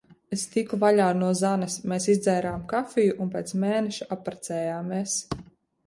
Es tiku vaļā no Zanes. Mēs iedzērām kafiju. Un pēc mēneša apprecējāmies.